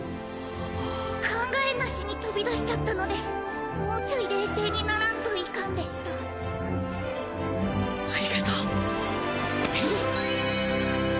考えなしに飛び出しちゃったのでもうちょい冷静にならんといかんでしたありがとう。